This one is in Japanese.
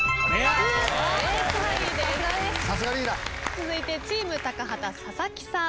続いてチーム高畑佐々木さん。